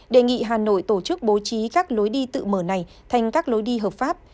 đề nghị hà nội tổ chức bố trí các lối đi tự mở này thành các lối đi hợp pháp